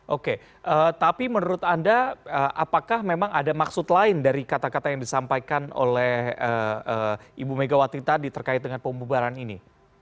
oke tapi menurut anda apakah memang ada maksud lain dari kata kata yang disampaikan oleh ibu megawati tadi terkait dengan pembubaran ini